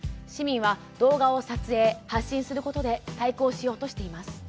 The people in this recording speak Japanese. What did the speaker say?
市民は動画を撮影・発信することで対抗しようとしています。